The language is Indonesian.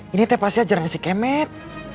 ini tepasi ajaran si kemet